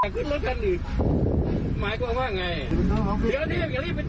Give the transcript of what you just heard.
ค่นนั้นมันบอกให้ส่งแล้วส่งแล้วคือลดคันอีก